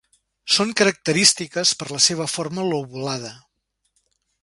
Són característiques per la seva forma lobulada.